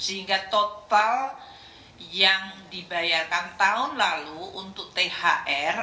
sehingga total yang dibayarkan tahun lalu untuk thr